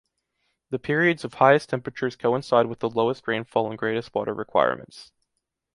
The periods of highest temperatures coincide with the lowest rainfall and greatest water requirements.